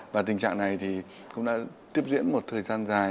và tình trạng này thì cũng đã tiếp diễn một thời gian dài